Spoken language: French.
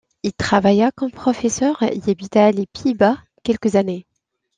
Il travailla comme professeur et habita les Pays-Bas quelques années.